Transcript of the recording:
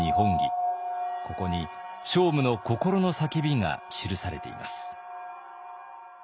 ここに聖武の心の叫びが記されています。